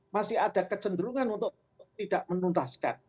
masih ada kecenderungan untuk tidak menuntaskan